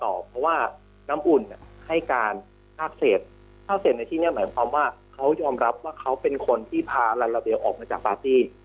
เพราะว่าน้ำอุ่นให้การภาคเศษภาคเศษในที่นี้หมายความว่าเขายอมรับว่าเขาเป็นคนที่พาลาลาเบลออกมาจากปาร์ตี้